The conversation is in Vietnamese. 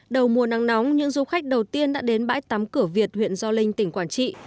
đầu mùa nắng nóng những du khách đầu tiên đã đến bãi tắm cửa việt huyện gio linh tỉnh quảng trị